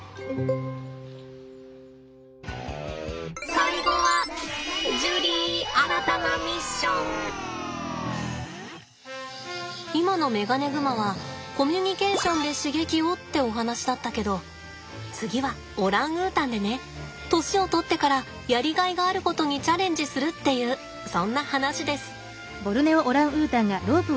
最後は今のメガネグマはコミュニケーションで刺激をってお話だったけど次はオランウータンでね年をとってからやりがいがあることにチャレンジするっていうそんな話です。